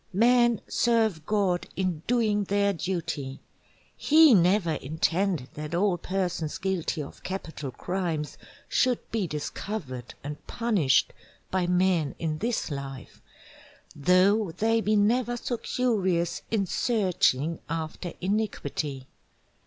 Men serve God in doing their Duty, he never intended that all persons guilty of Capital Crimes should be discovered and punished by men in this Life, though they be never so curious in searching after Iniquity.